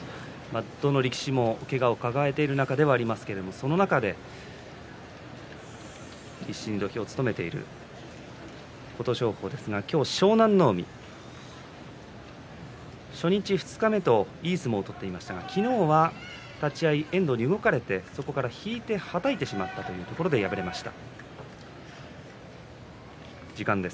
どの力士もけがを抱えている中ではありますけれどもその中で必死に土俵を務めている琴勝峰ですが今日は湘南乃海初日、二日目といい相撲を取ってましたが昨日は立ち合いで遠藤に動かれて、そこから引いてはたいてしまったというところで敗れました。